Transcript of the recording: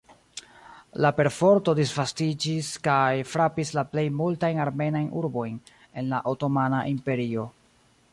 La perforto disvastiĝis kaj frapis la plej multajn armenajn urbojn en la Otomana Imperio.